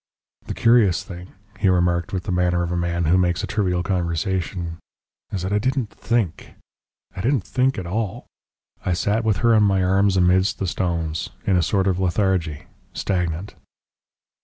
"The curious thing," he remarked, with the manner of a man who makes a trivial conversation, "is that I didn't THINK I didn't think at all. I sat with her in my arms amidst the stones in a sort of lethargy stagnant.